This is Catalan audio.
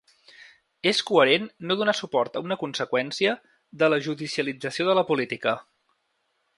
És coherent no donar suport a una conseqüència de la judicialització de la política.